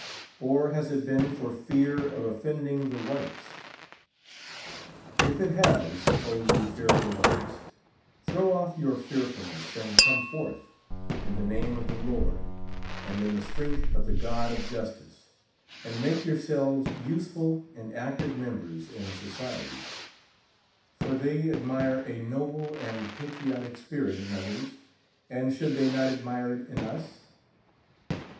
Or has it been for fear of offend 67 ing the whites r* If it has, O ye fearful ones, throw off your fearfulness and come fortli, in the name of the Lord and in the strength of the God of Justice, and make your selves useful and active mem])ers in society ; for they admire a noble and patriotic spirit in others, and should they not admire It in us